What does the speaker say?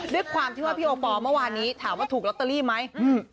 ด้วยความที่ว่าพี่โอปอลเมื่อวานนี้ถามว่าถูกลอตเตอรี่ไหมอืม